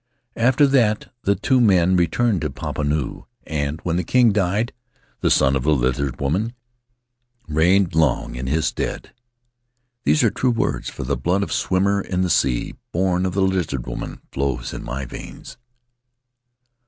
After that the two men returned to Papenoo, and when the king died the son of the Lizard Woman reigned long in his stead. These are true words, for the blood of Swimmer in the Sea, born of the Lizard Woman, flows in my veins."